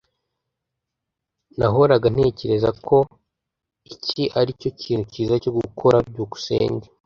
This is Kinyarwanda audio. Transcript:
Nahoraga ntekereza ko iki aricyo kintu cyiza cyo gukora. byukusenge